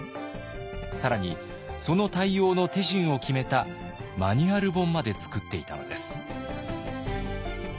更にその対応の手順を決めたマニュアル本まで作っていたのです。